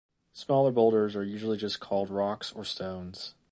Smaller boulders are usually just called rocks or stones.